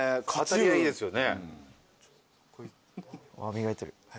磨いてる。